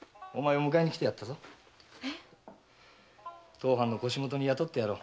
当藩の腰元に雇ってやろう。